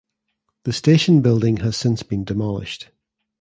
The station building has since been demolished.